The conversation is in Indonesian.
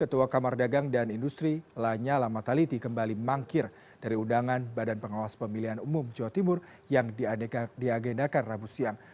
ketua kamar dagang dan industri lanyala mataliti kembali mangkir dari undangan badan pengawas pemilihan umum jawa timur yang diagendakan rabu siang